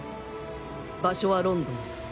場所はロンドン。